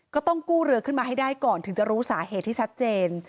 ก็ต้องกู้เรือขึ้นมาให้ได้ก่อนถึงจะรู้สาเหตุที่ชัดเจน